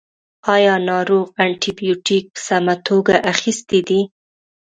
ایا ناروغ انټي بیوټیک په سمه توګه اخیستی دی.